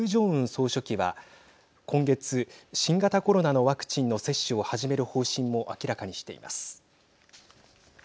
総書記は今月新型コロナのワクチンの接種を始める方針も明らかにしています。